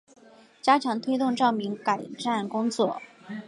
加强推动照明改善工作